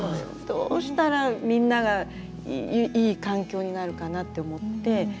どうしたらみんながいい環境になるかなって思って作ったんですけど。